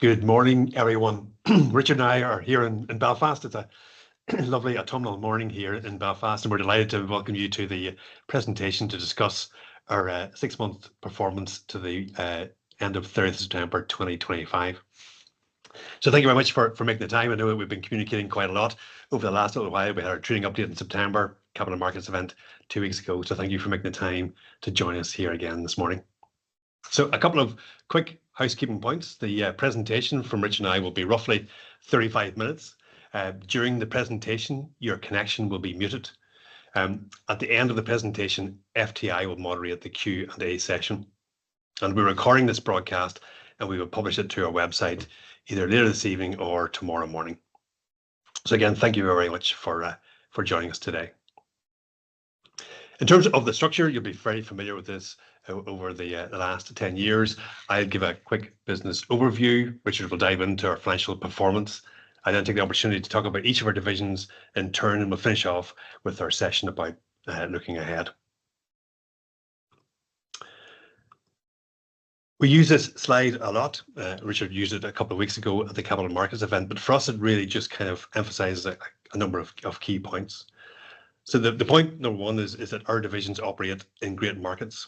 Good morning, everyone. Richard and I are here in Belfast. It's a lovely autumnal morning here in Belfast, and we're delighted to welcome you to the presentation to discuss our six month performance to the end of 30th September 2025. So thank you very much for making the time. I know that we've been communicating quite a lot over the last little while. We had our Trading Update in September, Capital Markets event two weeks ago. So, thank you for making the time to join us here again this morning. So, a couple of quick housekeeping points. The presentation from Richard and I will be roughly 35 minutes. During the presentation, your connection will be muted. At the end of the presentation, FTI will moderate the Q&A session, and we're recording this broadcast, and we will publish it to our website either later this evening or tomorrow morning. So again, thank you very much for joining us today. In terms of the structure, you'll be very familiar with this over the last 10 years. I'll give a quick business overview. Richard will dive into our financial performance. I then take the opportunity to talk about each of our divisions in turn, and we'll finish off with our session about looking ahead. We use this slide a lot. Richard used it a couple of weeks ago at the Capital Markets event, but for us, it really just kind of emphasizes a number of key points. So the point number one is that our divisions operate in great markets.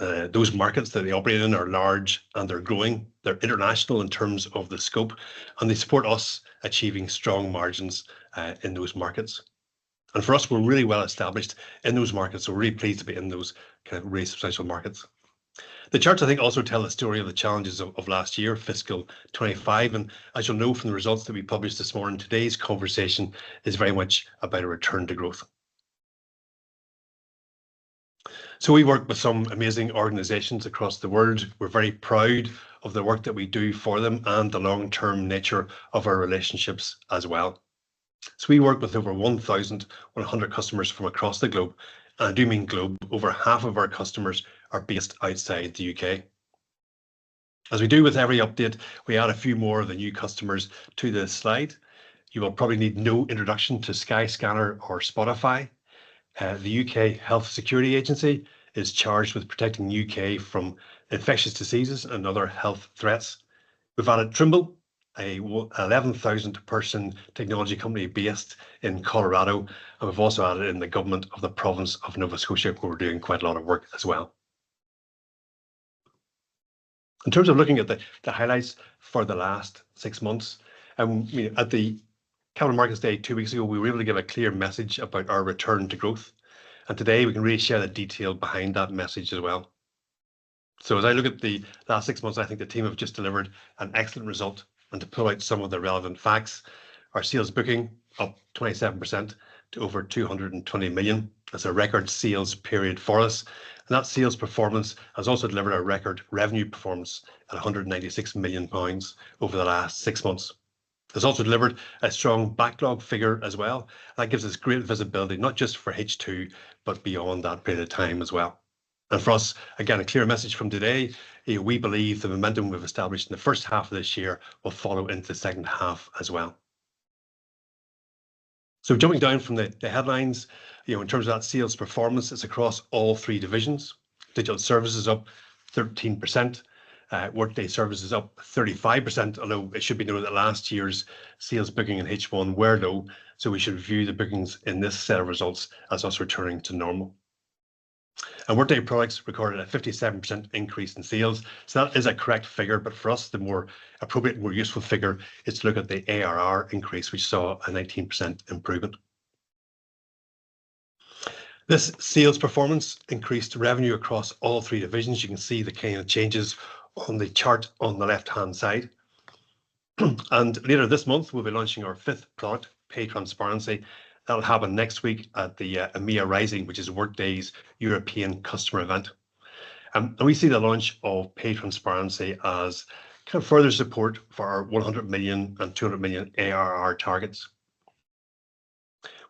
Those markets that they operate in are large, and they're growing. They're international in terms of the scope, and they support us achieving strong margins in those markets. And for us, we're really well established in those markets, so we're really pleased to be in those kind of really substantial markets. The charts, I think, also tell the story of the challenges of last year, fiscal 2025. And as you'll know from the results that we published this morning, today's conversation is very much about a return to growth. So we work with some amazing organizations across the world. We're very proud of the work that we do for them and the long-term nature of our relationships as well. So, we work with over 1,100 customers from across the globe, and I do mean globe. Over half of our customers are based outside the U.K. As we do with every update, we add a few more of the new customers to the slide. You will probably need no introduction to Skyscanner or Spotify. The UK Health Security Agency is charged with protecting the U.K. from infectious diseases and other health threats. We've added Trimble, an 11,000-person technology company based in Colorado, and we've also added in the government of the province of Nova Scotia, who are doing quite a lot of work as well. In terms of looking at the highlights for the last six months, at the Capital Markets Day two weeks ago, we were able to give a clear message about our return to growth. And today, we can really share the detail behind that message as well. So, as I look at the last six months, I think the team have just delivered an excellent result. And to pull out some of the relevant facts, our sales booking up 27% to over 220 million. That's a record sales period for us. And that sales performance has also delivered a record revenue performance at 196 million pounds over the last six months. It's also delivered a strong backlog figure as well. That gives us great visibility, not just for H2, but beyond that period of time as well. And for us, again, a clear message from today, we believe the momentum we've established in the first half of this year will follow into the second half as well. So jumping down from the headlines, in terms of that sales performance, it's across all three divisions. Digital Services up 13%, Workday Services up 35%, although it should be noted that last year's sales booking in H1 were low, so we should review the bookings in this set of results as us returning to normal. And Workday Products recorded a 57% increase in sales. That is a correct figure, but for us, the more appropriate, more useful figure is to look at the ARR increase. We saw a 19% improvement. This sales performance increased revenue across all three divisions. You can see the kind of changes on the chart on the left-hand side, and later this month, we'll be launching our fifth product, Pay Transparency. That'll happen next week at the EMEA Rising, which is Workday's European customer event. We see the launch of Pay Transparency as kind of further support for our 100 million and 200 million ARR targets.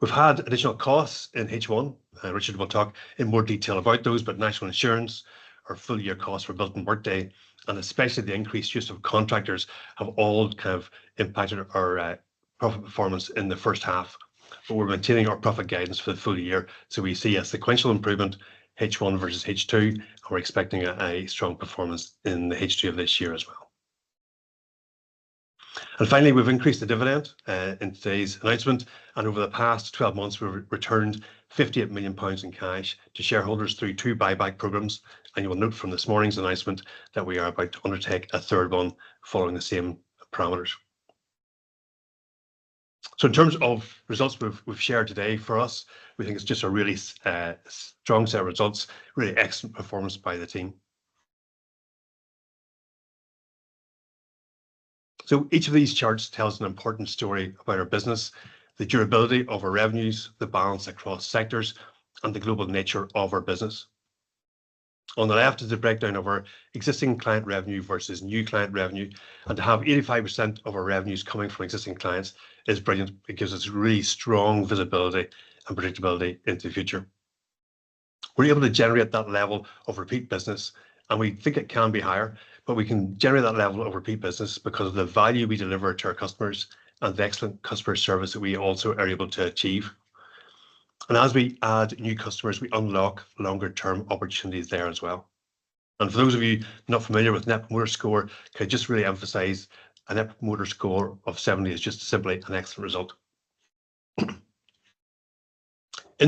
We've had additional costs in H1. Richard will talk in more detail about those, but National Insurance, our full-year costs for Built on Workday, and especially the increased use of contractors have all kind of impacted our profit performance in the first half. We're maintaining our profit guidance for the full year. We see a sequential improvement, H1 versus H2, and we're expecting a strong performance in the H2 of this year as well. And finally, we've increased the dividend in today's announcement. And over the past 12 months, we've returned £58 million in cash to shareholders through two buyback programs. And you will note from this morning's announcement that we are about to undertake a third one following the same parameters. So in terms of results we've shared today, for us, we think it's just a really strong set of results, really excellent performance by the team. So each of these charts tells an important story about our business, the durability of our revenues, the balance across sectors, and the global nature of our business. On the left is the breakdown of our existing client revenue versus new client revenue and to have 85% of our revenues coming from existing clients is brilliant. It gives us really strong visibility and predictability into the future. We're able to generate that level of repeat business, and we think it can be higher, but we can generate that level of repeat business because of the value we deliver to our customers and the excellent customer service that we also are able to achieve. As we add new customers, we unlock longer-term opportunities there as well. For those of you not familiar with Net Promoter Score, can I just really emphasize a Net Promoter Score of 70 is just simply an excellent result. In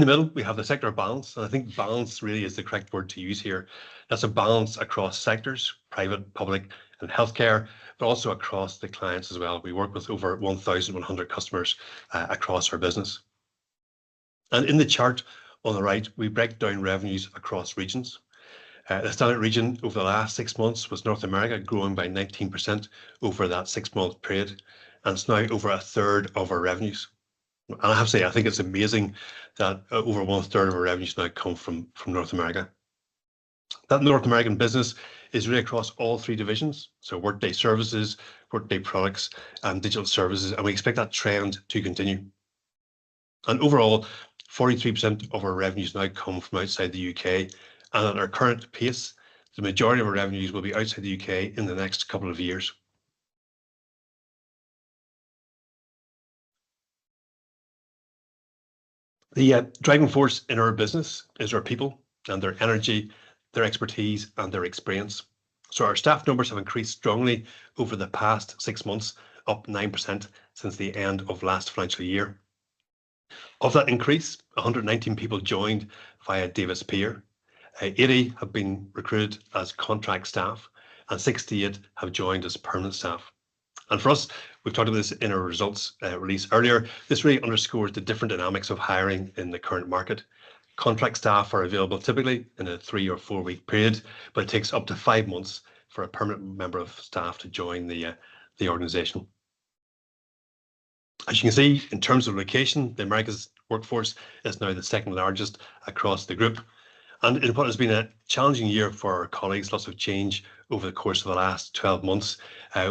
the middle, we have the sector balance, and I think balance really is the correct word to use here. That's a balance across sectors, private, public, and healthcare, but also across the clients as well. We work with over 1,100 customers across our business. And in the chart on the right, we break down revenues across regions. The strongest region over the last six months was North America, growing by 19% over that six-month period. And it's now over a third of our revenues. And I have to say, I think it's amazing that over one-third of our revenues now come from North America. That North American business is really across all three divisions. So Workday Services, Workday Products, and Digital Services. And we expect that trend to continue. And overall, 43% of our revenues now come from outside the U.K. And at our current pace, the majority of our revenues will be outside the UK in the next couple of years. The driving force in our business is our people and their energy, their expertise, and their experience. So our staff numbers have increased strongly over the past six months, up 9% since the end of last financial year. Of that increase, 119 people joined via Davis Pier. 80 have been recruited as contract staff, and 68 have joined as permanent staff. And for us, we've talked about this in our results release earlier. This really underscores the different dynamics of hiring in the current market. Contract staff are available typically in a three or four week period, but it takes up to five months for a permanent member of staff to join the organization. As you can see, in terms of location, the Americas' workforce is now the second largest across the group. And it has been a challenging year for our colleagues, lots of change over the course of the last 12 months.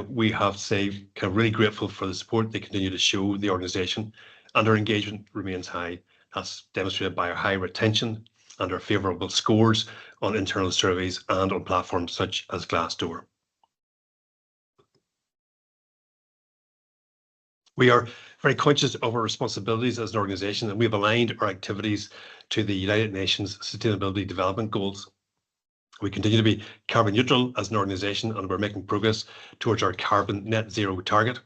We have to say, kind of really grateful for the support they continue to show the organization, and our engagement remains high, as demonstrated by our high retention and our favorable scores on internal surveys and on platforms such as Glassdoor. We are very conscious of our responsibilities as an organization, and we've aligned our activities to the United Nations Sustainability Development Goals. We continue to be carbon neutral as an organization, and we're making progress towards our carbon net zero target.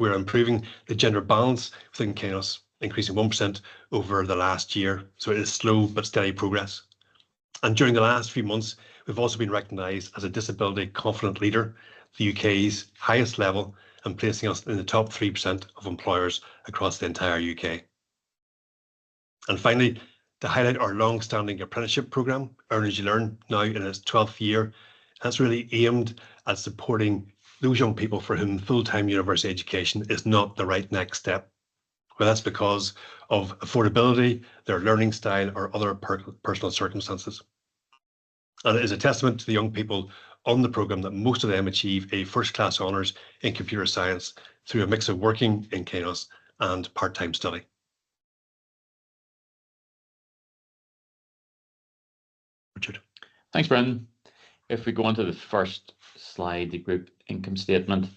We're improving the gender balance within Kainos, increasing 1% over the last year, so it is slow, but steady progress, and during the last few months, we've also been recognized as a Disability Confident Leader, the U.K.'s highest level, and placing us in the top 3% of employers across the entire U.K. Finally, to highlight our long-standing apprenticeship program, Earn as You Learn, now in its 12th year, that's really aimed at supporting those young people for whom full-time university education is not the right next step. That's because of affordability, their learning style, or other personal circumstances. It is a testament to the young people on the program that most of them achieve a first-class honors in computer science through a mix of working in Kainos and part-time study. Richard. Thanks, Brendan. If we go on to the first slide, the Group Income Statement,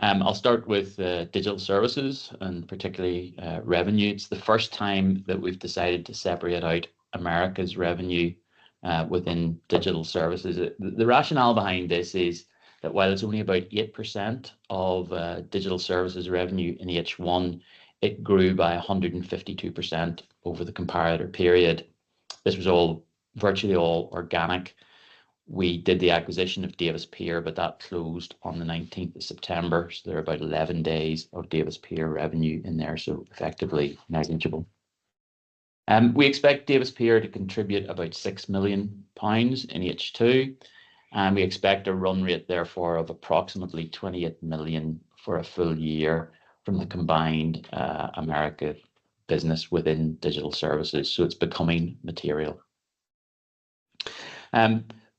I'll start with Digital Services and particularly revenue. It's the first time that we've decided to separate out America's revenue within Digital Services. The rationale behind this is that while it's only about 8% of Digital Services revenue in H1, it grew by 152% over the comparator period. This was virtually all organic. We did the acquisition of Davis Pier, but that closed on the 19th of September. So there are about 11 days of Davis Pier revenue in there, so effectively negligible. We expect Davis Pier to contribute about 6 million pounds in H2, and we expect a run rate, therefore, of approximately 28 million for a full year from the combined America business within Digital services. So it's becoming material.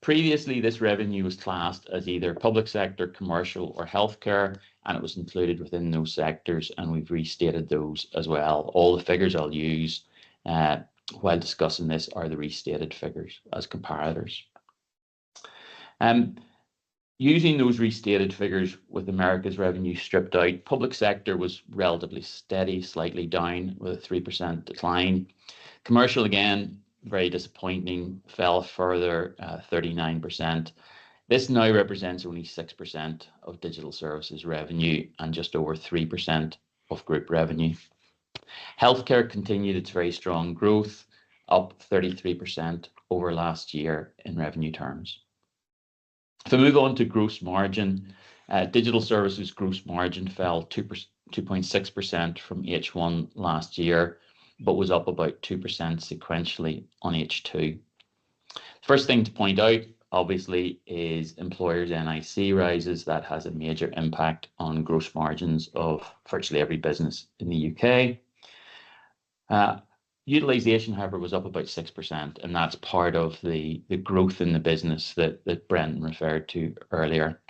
Previously, this revenue was classed as either public sector, commercial, or healthcare, and it was included within those sectors. And we've restated those as well. All the figures I'll use while discussing this are the restated figures as comparators. Using those restated figures with America's revenue stripped out, public sector was relatively steady, slightly down with a 3% decline. Commercial, again, very disappointing, fell further, 39%. This now represents only 6% of digital services revenue and just over 3% of group revenue. Healthcare continued its very strong growth, up 33% over last year in revenue terms. If we move on to gross margin, digital services gross margin fell 2.6% from H1 last year, but was up about 2% sequentially on H2. The first thing to point out, obviously, is employers' NIC rises. That has a major impact on gross margins of virtually every business in the U.K. Utilization, however, was up about 6%, and that's part of the growth in the business that Brendan referred to earlier.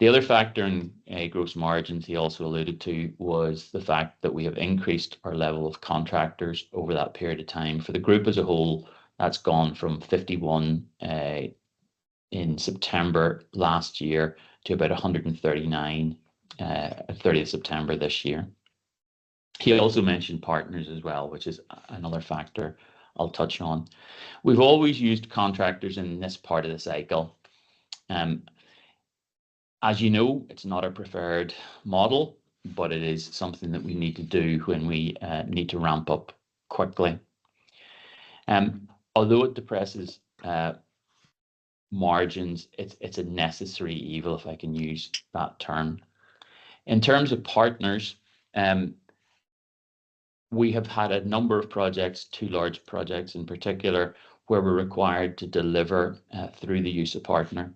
The other factor in gross margins he also alluded to was the fact that we have increased our level of contractors over that period of time. For the group as a whole, that's gone from 51 in September last year to about 139 on the 30th of September this year. He also mentioned partners as well, which is another factor I'll touch on. We've always used contractors in this part of the cycle. As you know, it's not our preferred model, but it is something that we need to do when we need to ramp up quickly. Although it depresses margins, it's a necessary evil, if I can use that term. In terms of partners, we have had a number of projects, two large projects in particular, where we're required to deliver through the use of partner.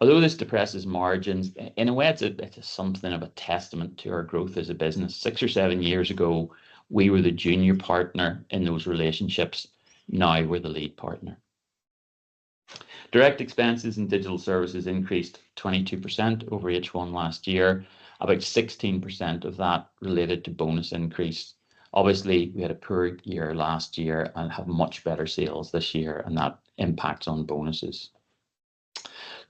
Although this depresses margins, in a way, it's something of a testament to our growth as a business. Six or seven years ago, we were the junior partner in those relationships. Now we're the lead partner. Direct expenses in Digital Services increased 22% over H1 last year. About 16% of that related to bonus increase. Obviously, we had a poor year last year and have much better sales this year, and that impacts on bonuses.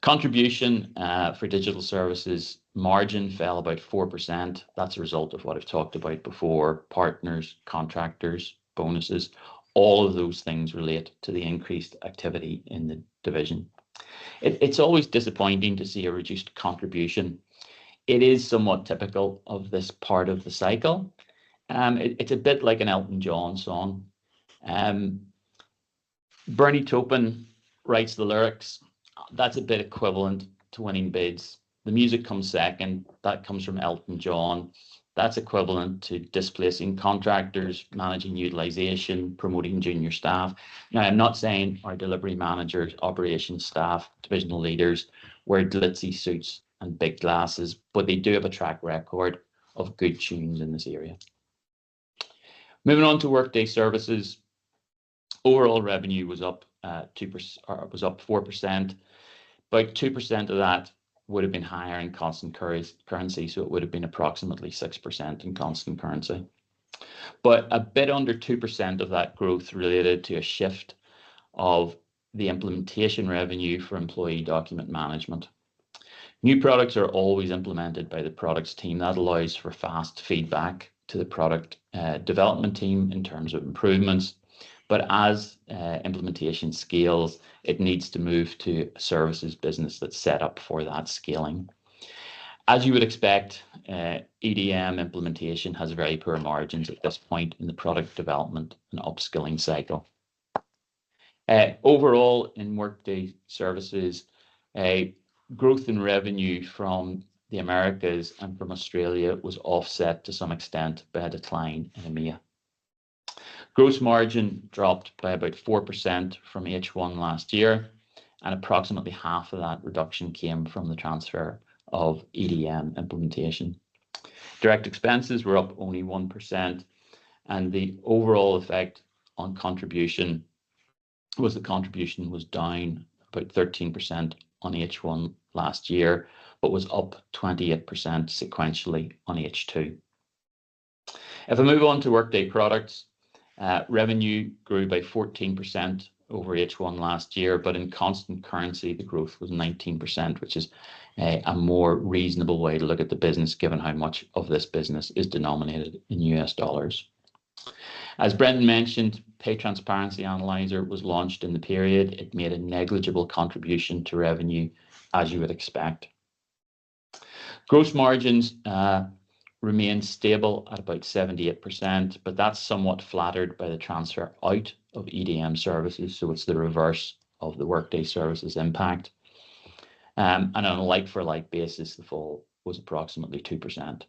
Contribution for Digital Services margin fell about 4%. That's a result of what I've talked about before, partners, contractors, bonuses, all of those things relate to the increased activity in the division. It's always disappointing to see a reduced contribution. It is somewhat typical of this part of the cycle. It's a bit like an Elton John song. Bernie Taupin writes the lyrics, that's a bit equivalent to winning bids. The music comes second, that comes from Elton John. That's equivalent to displacing Contractors, managing utilization, promoting junior staff. Now, I'm not saying our delivery managers, operations staff, divisional leaders wear glitzy suits and big glasses, but they do have a track record of good tunes in this area. Moving on to Workday Services, overall revenue was up 4%. About 2% of that would have been higher in constant currency, so it would have been approximately 6% in constant currency. But a bit under 2% of that growth related to a shift of the implementation revenue for Employee Document Management. New products are always implemented by the Products team. That allows for fast feedback to the Product Development Team in terms of improvements. But as implementation scales, it needs to move to a Services business that's set up for that scaling. As you would expect, EDM implementation has very poor margins at this point in the product development and upscaling cycle. Overall, in Workday Services, growth in revenue from the Americas and from Australia was offset to some extent by a decline in EMEA. Gross margin dropped by about 4% from H1 last year, and approximately half of that reduction came from the transfer of EDM implementation. Direct expenses were up only 1%, and the overall effect on contribution was that contribution was down about 13% on H1 last year, but was up 28% sequentially on H2. If we move on to Workday Products, revenue grew by 14% over H1 last year, but in constant currency, the growth was 19%, which is a more reasonable way to look at the business, given how much of this business is denominated in US dollars. As Bren mentioned, Pay Transparency Analyzer was launched in the period. It made a negligible contribution to revenue, as you would expect. Gross margins remain stable at about 78%, but that's somewhat flattered by the transfer out of EDM services. So it's the reverse of the Workday Services impact. And on a like-for-like basis, the fall was approximately 2%.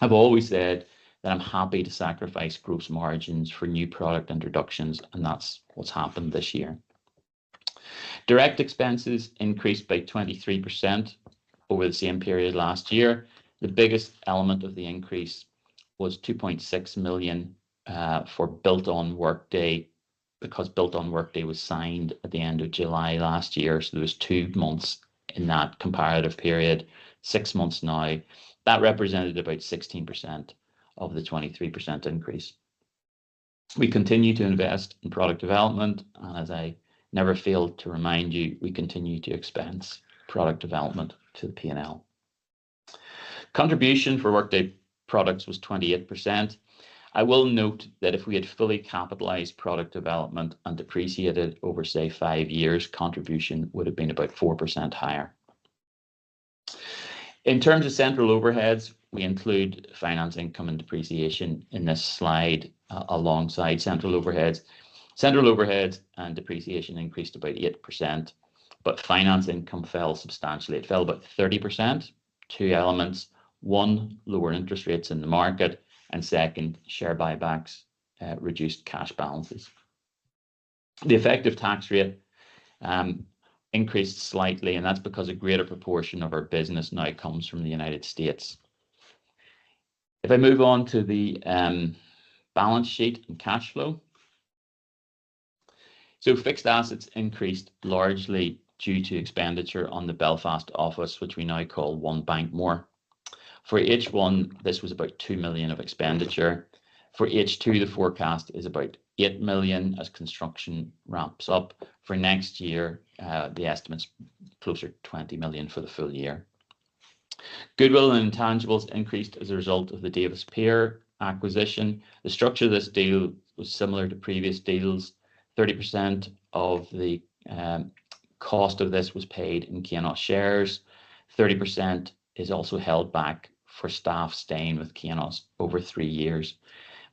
I've always said that I'm happy to sacrifice gross margins for new product introductions, and that's what's happened this year. Direct expenses increased by 23% over the same period last year. The biggest element of the increase was 2.6 million for Built on Workday because Built on Workday was signed at the end of July last year. So there were two months in that comparative period, six months now. That represented about 16% of the 23% increase. We continue to invest in product development, and as I never fail to remind you, we continue to expense product development to the P&L. Contribution for Workday Products was 28%. I will note that if we had fully capitalized product development and depreciated over, say, five years, contribution would have been about 4% higher. In terms of central overheads, we include finance income and depreciation in this slide alongside central overheads. Central overheads and depreciation increased about 8%, but finance income fell substantially. It fell about 30%. Two elements: one, lower interest rates in the market, and second, share buybacks reduced cash balances. The effective tax rate increased slightly, and that's because a greater proportion of our business now comes from the United States. If I move on to the balance sheet and cash flow, so, fixed assets increased largely due to expenditure on the Belfast office, which we now call One Bankmore. For H1, this was about 2 million of expenditure. For H2, the forecast is about 8 million as construction ramps up. For next year, the estimate's closer to 20 million for the full year. Goodwill and intangibles increased as a result of the Davis Pier acquisition. The structure of this deal was similar to previous deals. 30% of the cost of this was paid in Kainos shares. 30% is also held back for staff staying with Kainos over three years.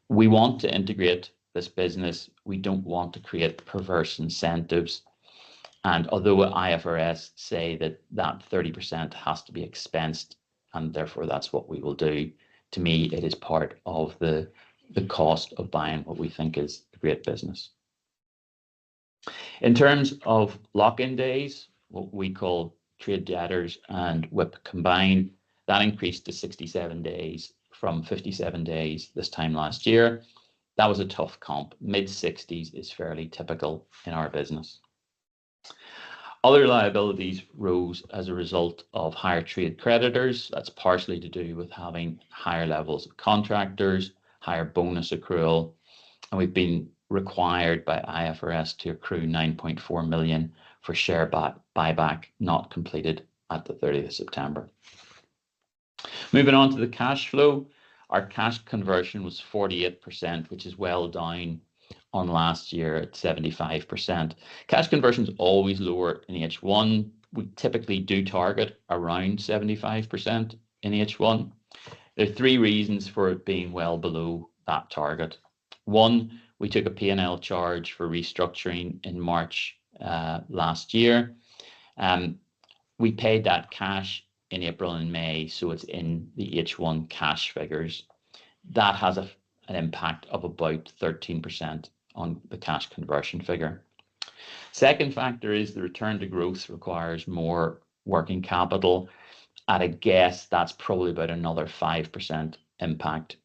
We want to integrate this business. We don't want to create perverse incentives. Although IFRS says that that 30% has to be expensed, and therefore that's what we will do, to me, it is part of the cost of buying what we think is a great business. In terms of lock-in days, what we call trade debtors and WIP combined, that increased to 67 days from 57 days this time last year. That was a tough comp, mid-60s is fairly typical in our business. Other liabilities rose as a result of higher trade creditors. That's partially to do with having higher levels of Contractors, higher bonus accrual. We have been required by IFRS to accrue 9.4 million for share buyback not completed at the 30th of September. Moving on to the cash flow, our cash conversion was 48%, which is well down on last year at 75%. Cash conversion is always lower in H1. We typically do target around 75% in H1. There are three reasons for it being well below that target. One, we took a P&L charge for restructuring in March last year. We paid that cash in April and May, so it's in the H1 cash figures. That has an impact of about 13% on the cash conversion figure. Second factor is the return to growth requires more working capital. At a guess, that's probably about another 5% impact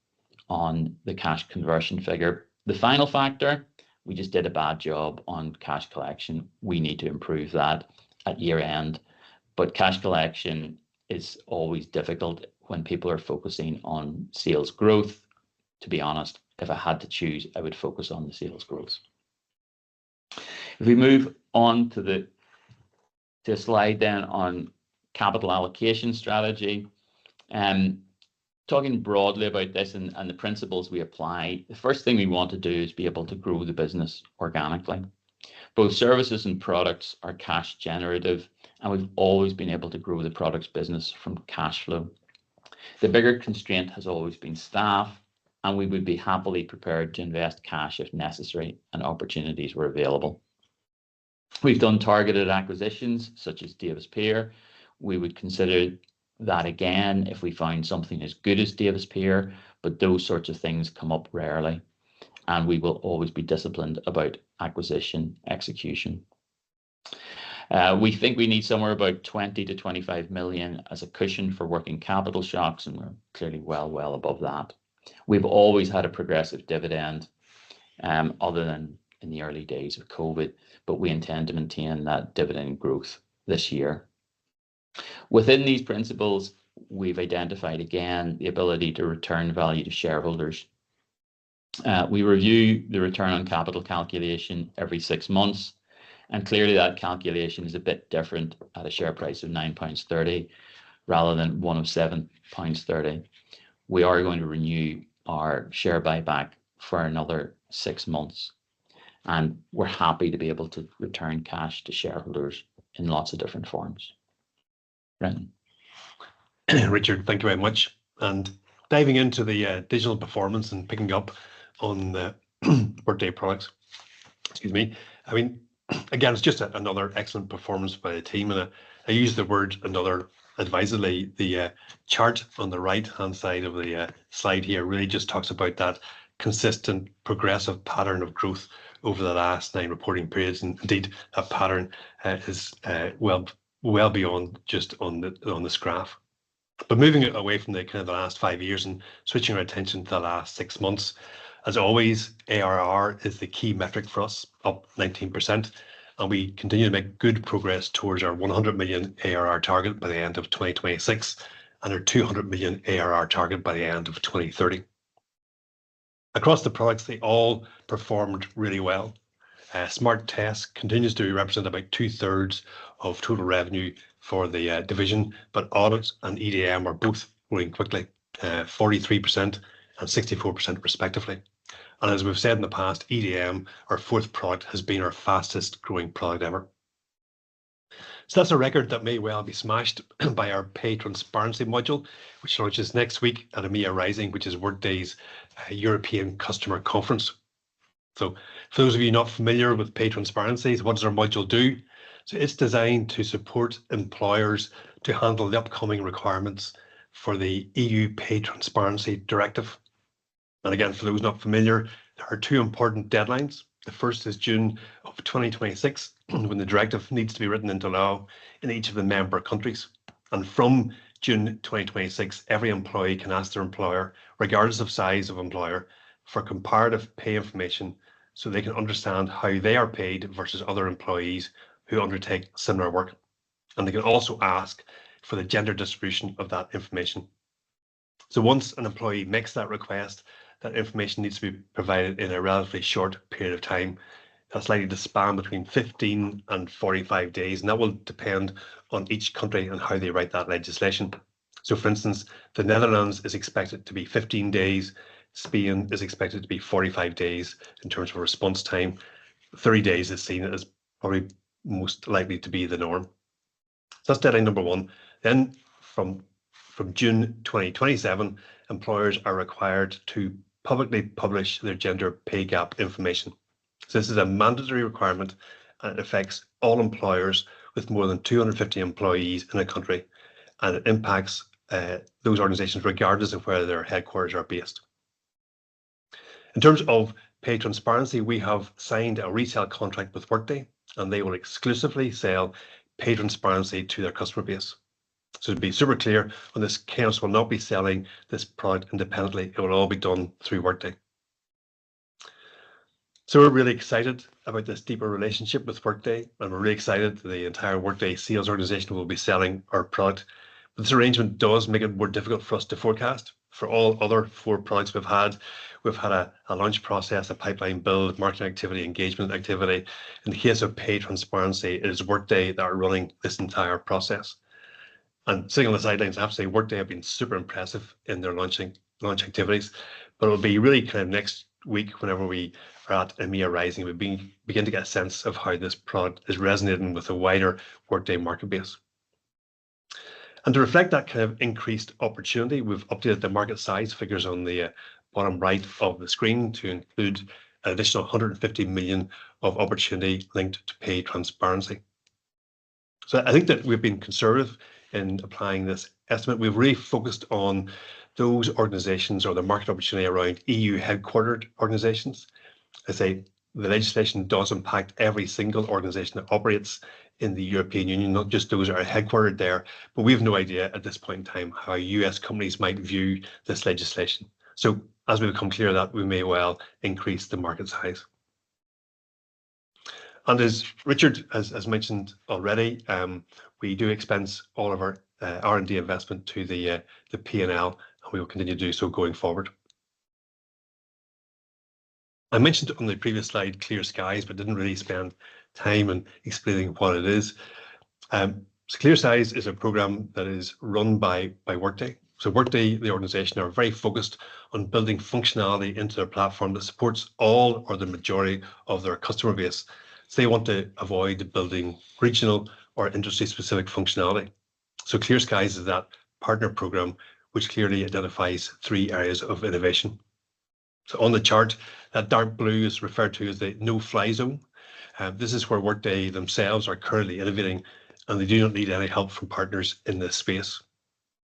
on the cash conversion figure. The final factor, we just did a bad job on cash collection. We need to improve that at year-end. But cash collection is always difficult when people are focusing on sales growth. To be honest, if I had to choose, I would focus on the sales growth. If we move on to the slide then on Capital allocation strategy, talking broadly about this and the principles we apply, the first thing we want to do is be able to grow the business organically. Both Services and Products are cash generative, and we've always been able to grow the products business from cash flow. The bigger constraint has always been staff, and we would be happily prepared to invest cash if necessary and opportunities were available. We've done targeted acquisitions such as Davis Pier. We would consider that again if we find something as good as Davis Pier, but those sorts of things come up rarely. We will always be disciplined about acquisition execution. We think we need somewhere about 20-25 million as a cushion for working capital shocks, and we're clearly well, well above that. We've always had a progressive dividend other than in the early days of COVID, but we intend to maintain that dividend growth this year. Within these principles, we've identified again the ability to return value to shareholders. We review the return on capital calculation every six months, and clearly that calculation is a bit different at a share price of 9.30 pounds rather than 7.30 pounds. We are going to renew our share buyback for another six months, and we're happy to be able to return cash to shareholders in lots of different forms. Brendan. Richard, thank you very much. And diving into the digital performance and picking up on the Workday Products, excuse me. I mean, again, it's just another excellent performance by the team. And I use the word another advisedly. The chart on the right-hand side of the slide here really just talks about that consistent progressive pattern of growth over the last nine reporting periods. And indeed, that pattern is well beyond just on this graph. But moving away from the kind of the last five years and switching our attention to the last six months, as always, ARR is the key metric for us, up 19%. And we continue to make good progress towards our 100 million ARR target by the end of 2026 and our 200 million ARR target by the end of 2030. Across the products, they all performed really well. Smart Test continues to represent about 2/3 of total revenue for the division, but audits and EDM are both growing quickly, 43% and 64% respectively. And as we've said in the past, EDM, our fourth product, has been our fastest-growing product ever. That's a record that may well be smashed by our Pay Transparency module, which launches next week at EMEA Rising, which is Workday's European Customer Conference. For those of you not familiar with Pay Transparency, what does our module do? It's designed to support employers to handle the upcoming requirements for the EU Pay Transparency Directive. Again, for those not familiar, there are two important deadlines. The first is June of 2026, when the directive needs to be written into law in each of the member countries. From June 2026, every employee can ask their employer, regardless of size of employer, for comparative pay information so they can understand how they are paid versus other employees who undertake similar work. They can also ask for the gender distribution of that information. So once an employee makes that request, that information needs to be provided in a relatively short period of time. That's likely to span between 15 and 45 days, and that will depend on each country and how they write that legislation. So for instance, the Netherlands is expected to be 15 days. Spain is expected to be 45 days in terms of response time. 30 days is seen as probably most likely to be the norm. So that's deadline number one. Then from June 2027, employers are required to publicly publish their gender pay gap information. So this is a mandatory requirement, and it affects all employers with more than 250 employees in a country. And it impacts those organizations regardless of where their headquarters are based. In terms of Pay Transparency, we have signed a re-sell contract with Workday, and they will exclusively sell Pay Transparency to their customer base. So to be super clear on this, Kainos will not be selling this product independently. It will all be done through Workday. So we're really excited about this deeper relationship with Workday, and we're really excited that the entire Workday sales organization will be selling our product. But this arrangement does make it more difficult for us to forecast. For all other four products we've had, we've had a launch process, a pipeline build, marketing activity, engagement activity. In the case of Pay Transparency, it is Workday that are running this entire process, and sitting on the sidelines, I have to say, Workday have been super impressive in their launch activities. But it will be really kind of next week, whenever we are at EMEA Rising, we begin to get a sense of how this product is resonating with the wider Workday market base. And to reflect that kind of increased opportunity, we've updated the market size figures on the bottom right of the screen to include an additional 150 million of opportunity linked to Pay Transparency. So I think that we've been conservative in applying this estimate. We've really focused on those organizations or the market opportunity around EU headquartered organizations. I say the legislation does impact every single organization that operates in the European Union, not just those that are headquartered there, but we have no idea at this point in time how U.S. companies might view this legislation. So as we become clear of that, we may well increase the market size. And as Richard has mentioned already, we do expense all of our R&D investment to the P&L, and we will continue to do so going forward. I mentioned on the previous slide ClearSkies, but didn't really spend time on explaining what it is. So, ClearSkies is a program that is run by Workday. So Workday, the organization, are very focused on building functionality into their platform that supports all or the majority of their customer base. So they want to avoid building regional or industry-specific functionality. So, ClearSkies is that Partner program which clearly identifies three areas of innovation. So on the chart, that dark blue is referred to as the No-fly zone. This is where Workday themselves are currently innovating, and they do not need any help from partners in this space.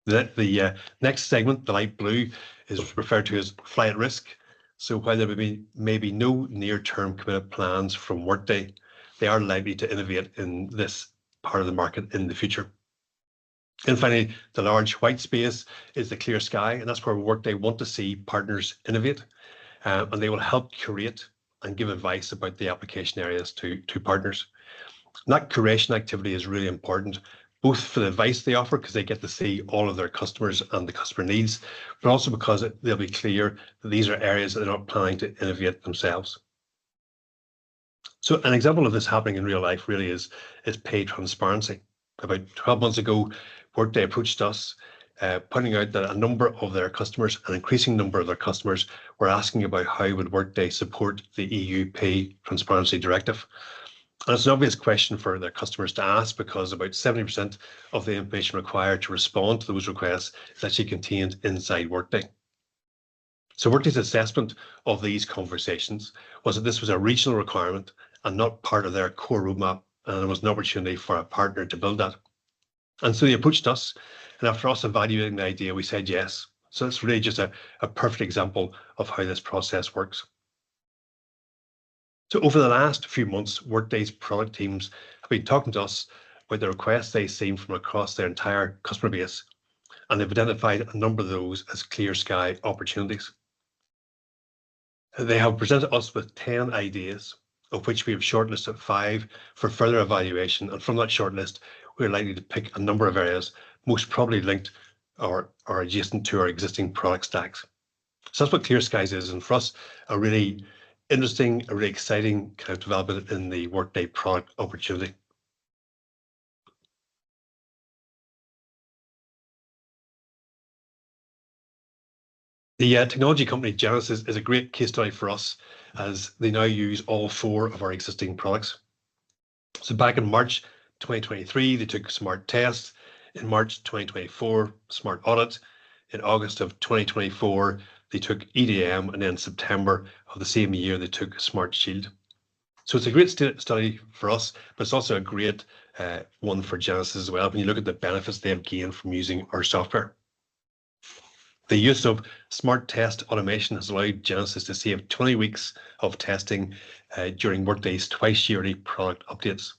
The next segment, the light blue, is referred to as Fly at Risk. So, while there may be no near-term commitment plans from Workday, they are likely to innovate in this part of the market in the future. And finally, the large white space is the Clear Sky, and that's where Workday want to see partners innovate and they will help curate and give advice about the application areas to partners. That curation activity is really important both for the advice they offer because they get to see all of their customers and the customer needs, but also because they'll be clear that these are areas that they're not planning to innovate themselves. So, an example of this happening in real life really is Pay Transparency. About 12 months ago, Workday approached us, pointing out that a number of their customers, an increasing number of their customers, were asking about how would Workday support the EU Pay Transparency Directive. It's an obvious question for their customers to ask because about 70% of the information required to respond to those requests is actually contained inside Workday. Workday's assessment of these conversations was that this was a regional requirement and not part of their core roadmap, and there was an opportunity for a partner to build that. They approached us, and after us evaluating the idea, we said yes. It's really just a perfect example of how this process works. Over the last few months, Workday's product teams have been talking to us with the requests they've seen from across their entire customer base, and they've identified a number of those as ClearSky opportunities. They have presented us with 10 ideas, of which we have shortlisted five for further evaluation. From that shortlist, we're likely to pick a number of areas most probably linked or adjacent to our existing product stacks. That's what ClearSkies is, and for us, a really interesting, a really exciting kind of development in the Workday Product opportunity. The technology company Genesys is a great case study for us as they now use all four of our existing products. Back in March 2023, they took Smart Test. In March 2024, Smart Audit. In August of 2024, they took EDM, and in September of the same year, they took Smart Shield. It's a great study for us, but it's also a great one for Genesys as well when you look at the benefits they have gained from using our software. The use of Smart Test automation has allowed Genesys to save 20 weeks of testing during Workday's twice-yearly product updates.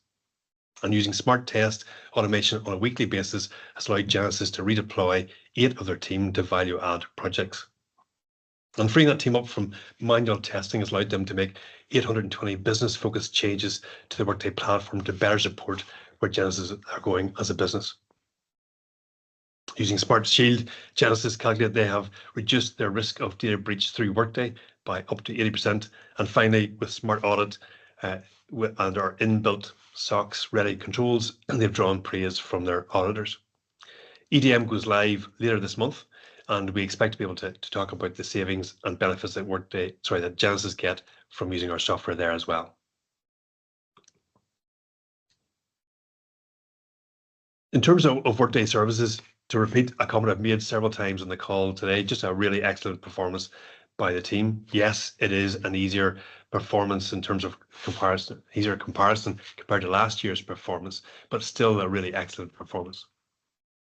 Using Smart Test automation on a weekly basis has allowed Genesys to redeploy eight of their team to value-add projects. Freeing that team up from manual testing has allowed them to make 820 business-focused changes to the Workday platform to better support where Genesys are going as a business. Using Smart Shield, Genesys calculated they have reduced their risk of data breach through Workday by up to 80%. Finally, with Smart Audit and our inbuilt SOX-ready controls, they've drawn praise from their auditors. EDM goes live later this month, and we expect to be able to talk about the savings and benefits that Genesys get from using our software there as well. In terms of Workday Services, to repeat a comment I've made several times on the call today, just a really excellent performance by the team. Yes, it is an easier performance in terms of comparison compared to last year's performance, but still a really excellent performance.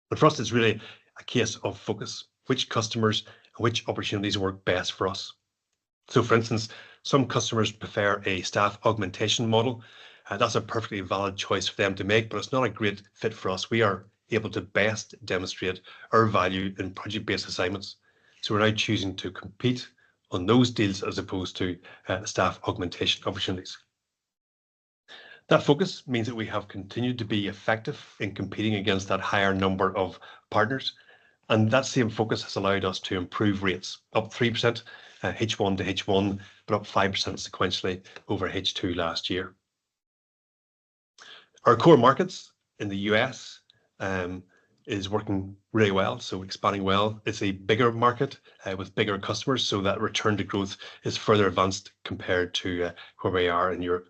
But for us, it's really a case of focus, which customers and which opportunities work best for us. So for instance, some customers prefer a staff augmentation model. That's a perfectly valid choice for them to make, but it's not a great fit for us. We are able to best demonstrate our value in project-based assignments. So, we're now choosing to compete on those deals as opposed to staff augmentation opportunities. That focus means that we have continued to be effective in competing against that higher number of partners. And that same focus has allowed us to improve rates up 3%, H1 to H1, but up 5% sequentially over H2 last year. Our core markets in the U.S. is working really well, so expanding well. It's a bigger market with bigger customers, so that return to growth is further advanced compared to where we are in Europe.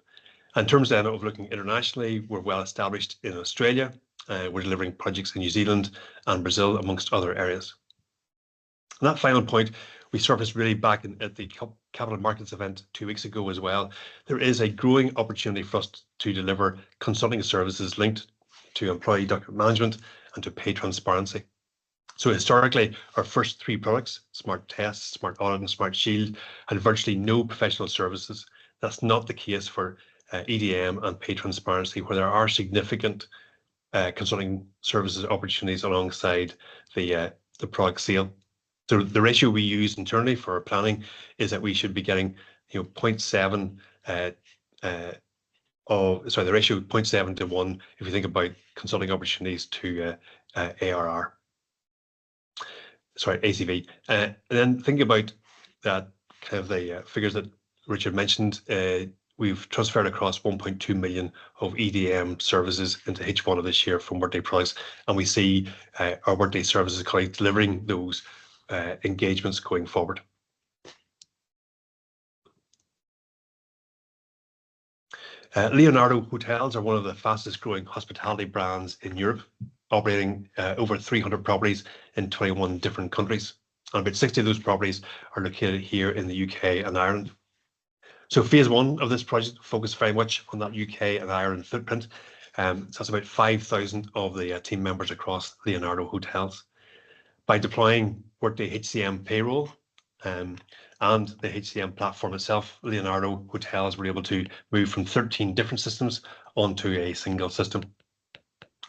In terms of looking internationally, we're well established in Australia. We're delivering projects in New Zealand and Brazil, amongst other areas, and that final point, we surfaced really back at the Capital Markets event two weeks ago as well. There is a growing opportunity for us to deliver consulting services linked to Employee Document Management and to Pay Transparency, so historically, our first three products, Smart Test, Smart Audit, and Smart Shield, had virtually no professional services. That's not the case for EDM and Pay Transparency, where there are significant consulting services opportunities alongside the product sale. The ratio we use internally for our planning is that we should be getting 0.7 of, sorry, the ratio of 0.7-1 if we think about consulting opportunities to ARR. Sorry, ACV. Then thinking about that kind of the figures that Richard mentioned, we've transferred across 1.2 million of EDM services into H1 of this year from Workday Products, and we see our Workday Services colleagues delivering those engagements going forward. Leonardo Hotels are one of the fastest-growing hospitality brands in Europe, operating over 300 properties in 21 different countries. About 60 of those properties are located here in the U.K. and Ireland. Phase I of this project focused very much on that U.K. and Ireland footprint. That's about 5,000 of the team members across Leonardo Hotels. By deploying Workday HCM payroll and the HCM platform itself, Leonardo Hotels were able to move from 13 different systems onto a single system.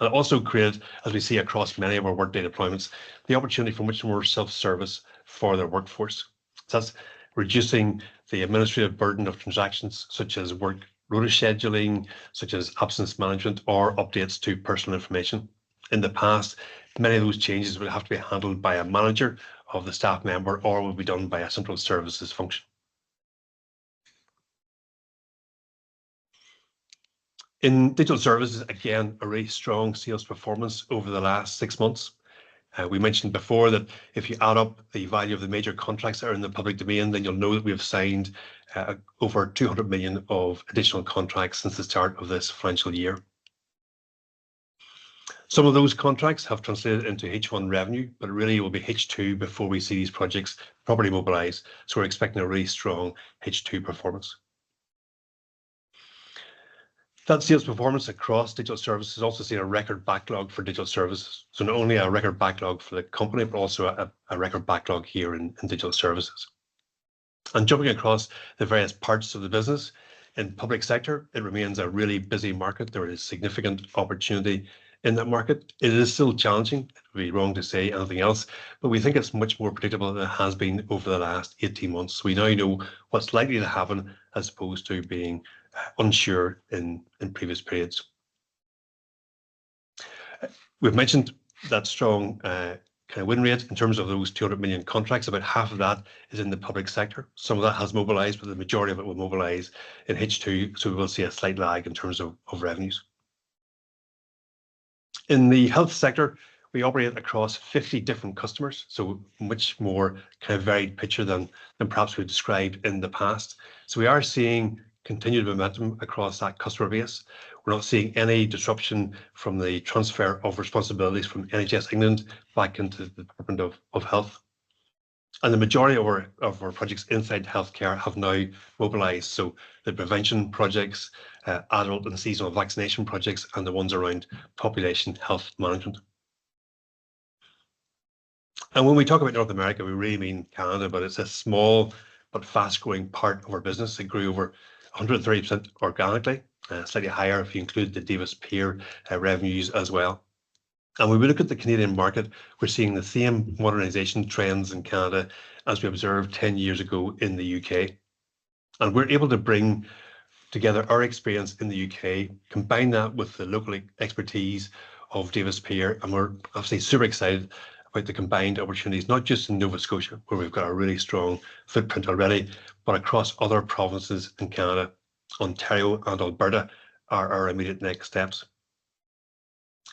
It also created, as we see across many of our Workday deployments, the opportunity for much more self-service for their workforce. So that's reducing the administrative burden of transactions such as work rota scheduling, such as absence management, or updates to personal information. In the past, many of those changes would have to be handled by a manager of the staff member or would be done by a central services function. In Digital Services, again, a very strong sales performance over the last six months. We mentioned before that if you add up the value of the major contracts that are in the public domain, then you'll know that we have signed over 200 million of additional contracts since the start of this financial year. Some of those contracts have translated into H1 revenue, but really it will be H2 before we see these projects properly mobilize. So we're expecting a really strong H2 performance. That sales performance across digital services has also seen a record backlog for digital services. So not only a record backlog for the company, but also a record backlog here in Digital Services, and jumping across the various parts of the business, in public sector, it remains a really busy market. There is significant opportunity in that market. It is still challenging. It would be wrong to say anything else, but we think it's much more predictable than it has been over the last 18 months. So, we now know what's likely to happen as opposed to being unsure in previous periods. We've mentioned that strong kind of win rate in terms of those 200 million contracts. About half of that is in the public sector. Some of that has mobilized, but the majority of it will mobilize in H2, so we will see a slight lag in terms of revenues. In the health sector, we operate across 50 different customers, so much more kind of varied picture than perhaps we've described in the past. So we are seeing continued momentum across that customer base. We're not seeing any disruption from the transfer of responsibilities from NHS England back into the Department of Health. And the majority of our projects inside healthcare have now mobilized, so the prevention projects, adult and seasonal vaccination projects, and the ones around population health management, and when we talk about North America, we really mean Canada, but it's a small but fast-growing part of our business. It grew over 130% organically, slightly higher if you include the Davis Pier revenues as well. And when we look at the Canadian market, we're seeing the same modernization trends in Canada as we observed 10 years ago in the U.K. And we're able to bring together our experience in the U.K., combine that with the local expertise of Davis Pier, and we're absolutely super excited about the combined opportunities, not just in Nova Scotia, where we've got a really strong footprint already, but across other provinces in Canada. Ontario and Alberta are our immediate next steps.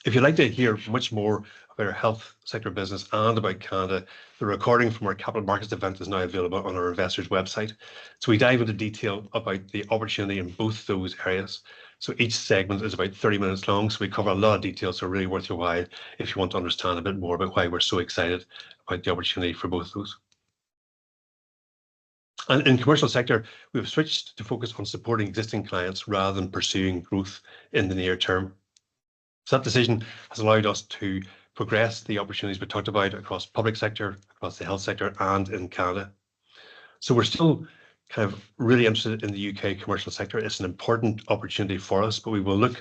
If you'd like to hear much more about our health sector business and about Canada, the recording from our Capital Markets event is now available on our investors' website. So we dive into detail about the opportunity in both those areas. Each segment is about 30 minutes long, so we cover a lot of detail. Really worth your while if you want to understand a bit more about why we're so excited about the opportunity for both those. In the commercial sector, we've switched to focus on supporting existing clients rather than pursuing growth in the near term. That decision has allowed us to progress the opportunities we talked about across public sector, across the health sector, and in Canada. We're still kind of really interested in the U.K. commercial sector. It's an important opportunity for us, but we will look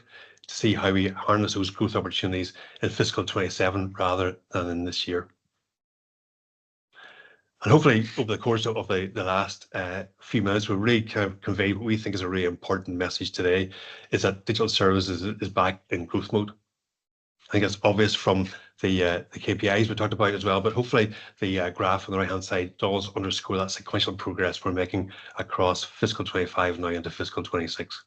to see how we harness those growth opportunities in fiscal 2027 rather than in this year. And hopefully, over the course of the last few minutes, we'll really kind of convey what we think is a really important message today, is that Digital Services is back in growth mode. I think it's obvious from the KPIs we talked about as well, but hopefully, the graph on the right-hand side does underscore that sequential progress we're making across fiscal 2025 now into fiscal 2026.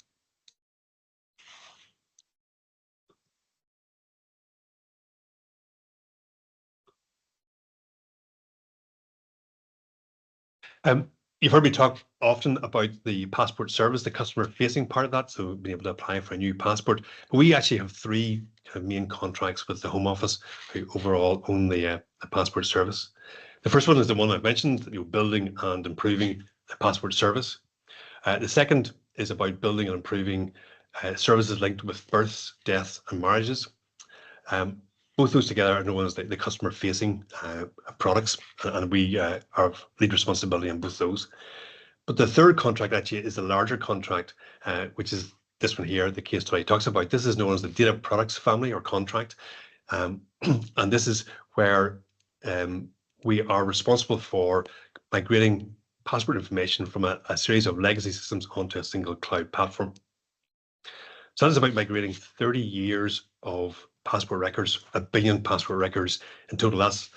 You've heard me talk often about the Passport Service, the customer-facing part of that, so being able to apply for a new passport. We actually have three kind of main contracts with the Home Office who overall own the Passport Service. The first one is the one I've mentioned, building and improving the Passport Service. The second is about building and improving services linked with births, deaths, and marriages. Both those together are known as the customer-facing products, and we have lead responsibility on both those. But the third contract actually is a larger contract, which is this one here, the case study I talked about. This is known as the data products family or contract. And this is where we are responsible for migrating passport information from a series of legacy systems onto a single cloud platform. So, that is about migrating 30 years of passport records, a billion passport records in total. That's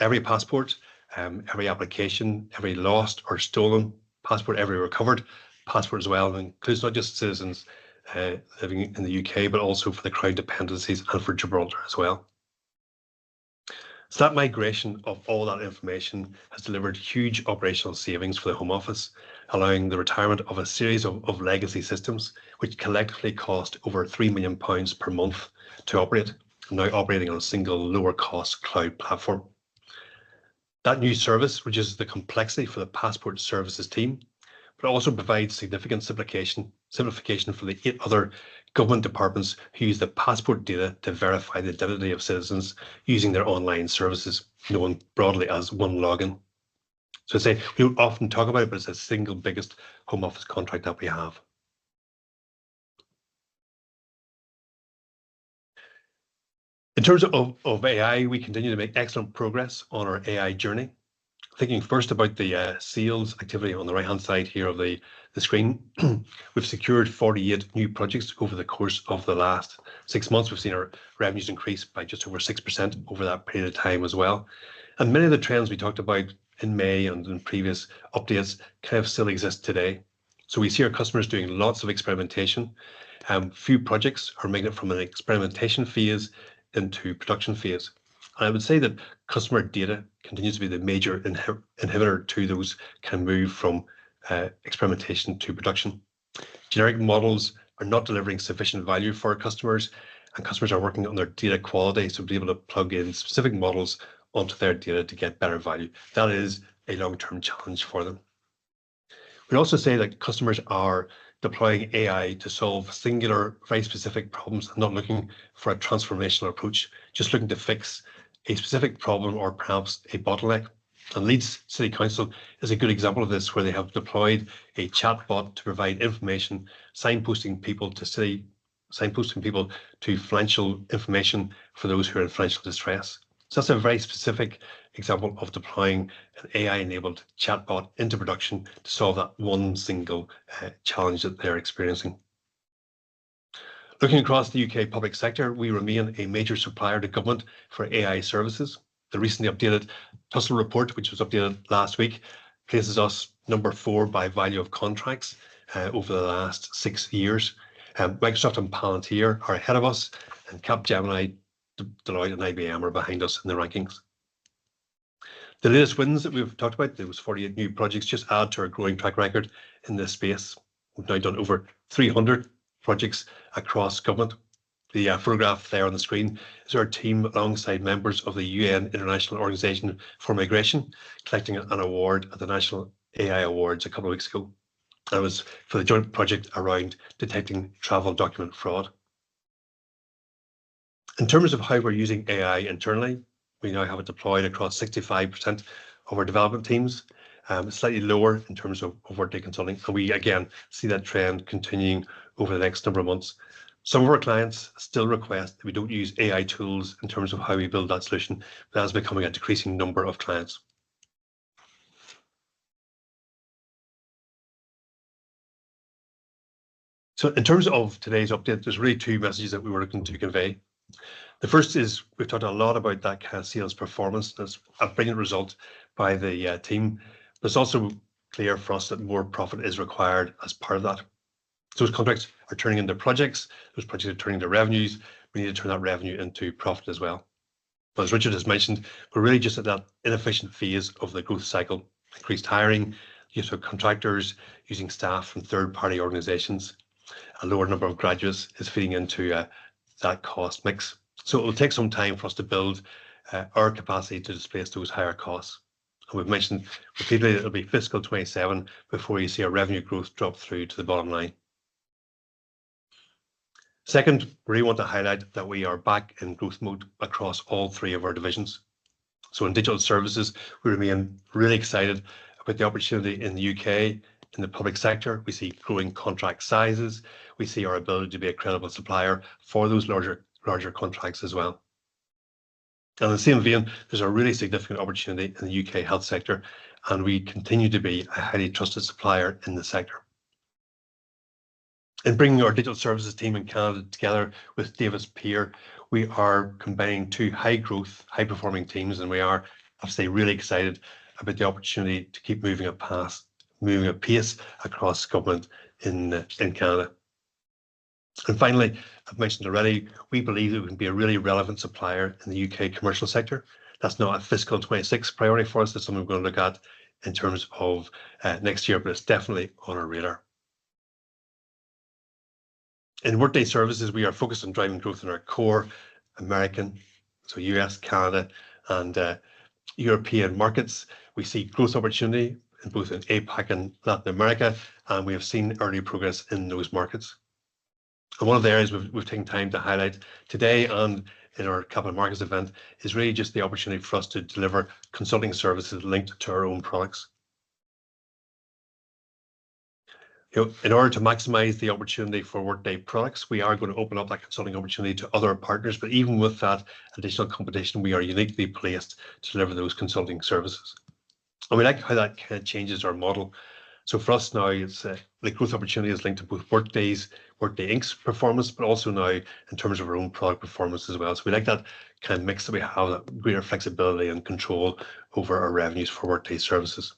every passport, every application, every lost or stolen passport, every recovered passport as well. It includes not just citizens living in the U.K., but also for the Crown dependencies and for Gibraltar as well. That migration of all that information has delivered huge operational savings for the Home Office, allowing the retirement of a series of legacy systems, which collectively cost over 3 million pounds per month to operate, now operating on a single lower-cost cloud platform. That new service reduces the complexity for the passport services team, but it also provides significant simplification for the eight other government departments who use the passport data to verify the identity of citizens using their online services, known broadly as One Login. S, I'd say we don't often talk about it, but it's the single biggest Home Office contract that we have. In terms of AI, we continue to make excellent progress on our AI journey. Thinking first about the sales activity on the right-hand side here of the screen, we've secured 48 new projects over the course of the last six months. We've seen our revenues increase by just over 6% over that period of time as well. And many of the trends we talked about in May and in previous updates kind of still exist today. So we see our customers doing lots of experimentation, and few projects are making it from an experimentation phase into production phase. And I would say that customer data continues to be the major inhibitor to those kind of move from experimentation to production. Generic models are not delivering sufficient value for our customers, and customers are working on their data quality to be able to plug in specific models onto their data to get better value. That is a long-term challenge for them. We also say that customers are deploying AI to solve singular, very specific problems and not looking for a transformational approach, just looking to fix a specific problem or perhaps a bottleneck, and Leeds City Council is a good example of this, where they have deployed a chatbot to provide information, signposting people to city, signposting people to financial information for those who are in financial distress, so that's a very specific example of deploying an AI-enabled chatbot into production to solve that one single challenge that they're experiencing. Looking across the U.K. public sector, we remain a major supplier to government for AI services. The recently updated Tussell report, which was updated last week, places us number four by value of contracts over the last six years. Microsoft and Palantir are ahead of us, and Capgemini, Deloitte, and IBM are behind us in the rankings. The latest wins that we've talked about. There was 48 new projects just add to our growing track record in this space. We've now done over 300 projects across government. The photograph there on the screen is our team alongside members of the UN International Organization for Migration, collecting an award at the National AI Awards a couple of weeks ago. That was for the joint project around detecting travel document fraud. In terms of how we're using AI internally, we now have it deployed across 65% of our development teams, slightly lower in terms of Workday consulting, and we again see that trend continuing over the next number of months. Some of our clients still request that we don't use AI tools in terms of how we build that solution. That has become a decreasing number of clients. So in terms of today's update, there's really two messages that we were looking to convey. The first is we've talked a lot about that kind of sales performance. That's a brilliant result by the team. But it's also clear for us that more profit is required as part of that. Those contracts are turning into projects. Those projects are turning into revenues. We need to turn that revenue into profit as well. But as Richard has mentioned, we're really just at that inefficient phase of the growth cycle. Increased hiring, use of Contractors, using staff from third-party organizations, a lower number of graduates is feeding into that cost mix. So it will take some time for us to build our capacity to displace those higher costs. And we've mentioned repeatedly that it'll be fiscal 2027 before you see our revenue growth drop through to the bottom line. Second, we really want to highlight that we are back in growth mode across all three of our divisions. So in Digital Services, we remain really excited about the opportunity in the U.K. In the public sector, we see growing contract sizes. We see our ability to be a credible supplier for those larger contracts as well. In the same vein, there's a really significant opportunity in the U.K. health sector, and we continue to be a highly trusted supplier in the sector. In bringing our Digital Services team in Canada together with Davis Pier, we are combining two high-growth, high-performing teams, and we are, I'd say, really excited about the opportunity to keep moving at pace across government in Canada. And finally, I've mentioned already, we believe that we can be a really relevant supplier in the U.K. commercial sector. That's not a fiscal 2026 priority for us. That's something we're going to look at in terms of next year, but it's definitely on our radar. In Workday Services, we are focused on driving growth in our core American, so US, Canada, and European markets. We see growth opportunity in both APAC and Latin America, and we have seen early progress in those markets, and one of the areas we've taken time to highlight today and in our Capital Markets event is really just the opportunity for us to deliver consulting services linked to our own products. In order to maximize the opportunity for Workday Products, we are going to open up that consulting opportunity to other partners. But even with that additional competition, we are uniquely placed to deliver those consulting services, and we like how that kind of changes our model. So for us now, the growth opportunity is linked to both Workday's, Workday Inc's performance, but also now in terms of our own product performance as well. So we like that kind of mix that we have, that greater flexibility and control over our revenues for Workday Services.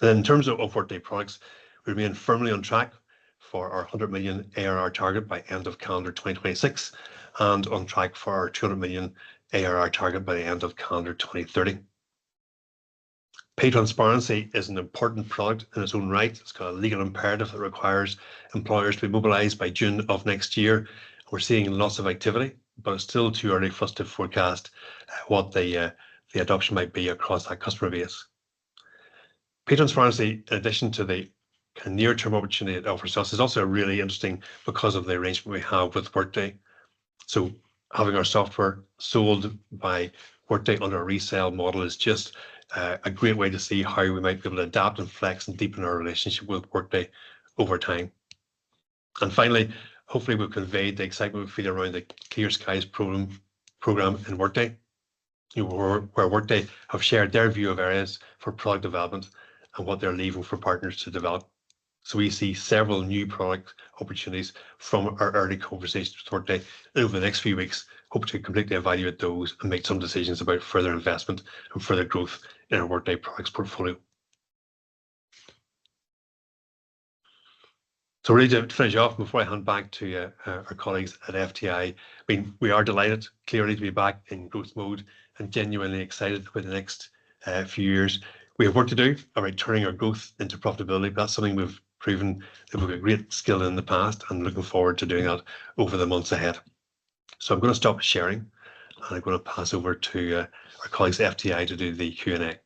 And in terms of Workday Products, we remain firmly on track for our 100 million ARR target by end of calendar 2026 and on track for our 200 million ARR target by the end of calendar 2030. Pay Transparency is an important product in its own right. It's got a legal imperative that requires employers to be mobilized by June of next year. We're seeing lots of activity, but it's still too early for us to forecast what the adoption might be across that customer base. Pay Transparency, in addition to the kind of near-term opportunity it offers us, is also really interesting because of the arrangement we have with Workday. So having our software sold by Workday under a resale model is just a great way to see how we might be able to adapt and flex and deepen our relationship with Workday over time. And finally, hopefully, we've conveyed the excitement we feel around the ClearSkies program in Workday, where Workday have shared their view of areas for product development and what they're leaving for partners to develop. So we see several new product opportunities from our early conversations with Workday over the next few weeks. Hope to completely evaluate those and make some decisions about further investment and further growth in our Workday Products portfolio. So really to finish off, before I hand back to our colleagues at FTI, I mean, we are delighted, clearly, to be back in growth mode and genuinely excited for the next few years. We have work to do about turning our growth into profitability, but that's something we've proven that we've got great skill in the past and looking forward to doing that over the months ahead. So I'm going to stop sharing, and I'm going to pass over to our colleagues at FTI to do the Q&A.